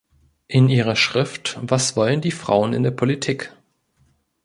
In ihrer Schrift "Was wollen die Frauen in der Politik?